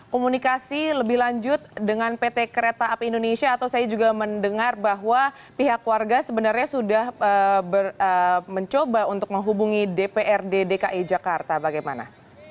komunikasi lebih lanjut dengan pt kereta api indonesia atau saya juga mendengar bahwa pihak warga sebenarnya sudah mencoba untuk menghubungi dprd dki jakarta bagaimana